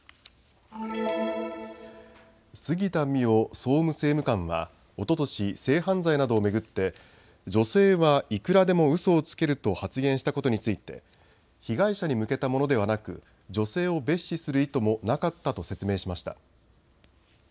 杉田水脈総務政務官はおととし、性犯罪などを巡って女性はいくらでもうそをつけると発言したことについて被害者に向けたものではなく女性を蔑視する意図もなかったと説明しました。